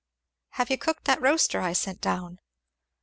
"Have you cooked that roaster I sent down?"